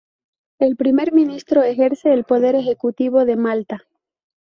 El primer ministro ejerce el poder ejecutivo de Malta.